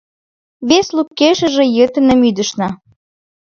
Вес лукешыже йытыным ӱдышна.